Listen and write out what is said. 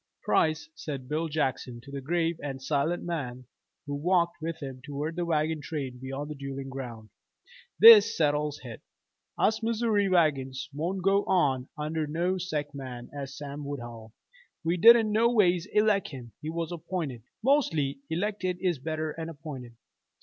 "Price," said Bill Jackson to the grave and silent man who walked with him toward the wagon train beyond the duelling ground, "this settles hit. Us Missoury wagons won't go on under no sech man as Sam Woodhull. We didn't no ways eleck him he was app'inted. Mostly, elected is better'n app'inted.